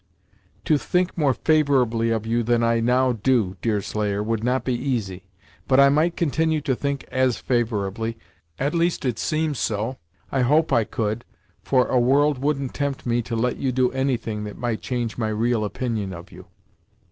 "To think more favorably of you than I now do, Deerslayer, would not be easy; but I might continue to think as favorably at least it seems so I hope I could, for a world wouldn't tempt me to let you do anything that might change my real opinion of you."